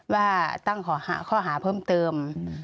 ว่าตั้งข้อหาเพิ่มเติม